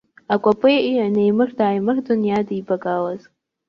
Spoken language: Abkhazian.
Акәапеи неимырда-ааимырдон иаадибагалоз.